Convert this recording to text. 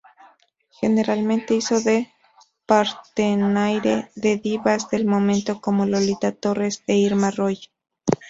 Generalmente hizo de "partenaire" de divas del momento como Lolita Torres e Irma Roy.